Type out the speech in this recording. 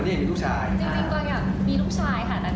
จริงกว้างยากมีลูกชายค่ะ